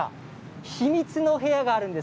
秘密の部屋があるんです。